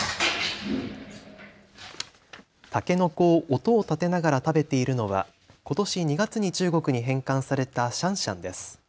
たけのこを音を立てながら食べているのはことし２月に中国に返還されたシャンシャンです。